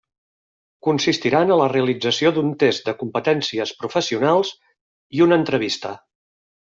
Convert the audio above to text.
Consistiran a la realització d'un test de competències professionals i una entrevista.